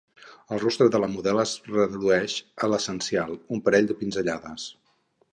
El rostre de la model es redueix a l'essencial: un parell de pinzellades.